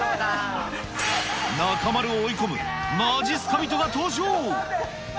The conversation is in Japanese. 中丸を追い込むまじっすか人が登場。